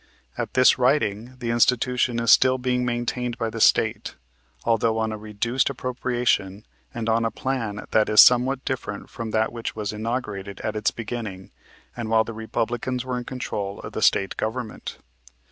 At this writing the institution is still being maintained by the State, although on a reduced appropriation and on a plan that is somewhat different from that which was inaugurated at its beginning and while the Republicans were in control of the State government.